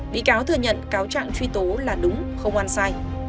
bị cáo thừa nhận cáo trạng truy tố là đúng không ăn sai